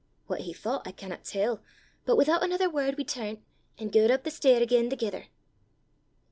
What he thoucht I canna tell, but withoot anither word we turnt, an' gaed up the stair again thegither.